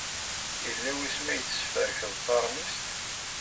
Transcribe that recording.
Yella wasmi ay tesferkeḍ taṛmist?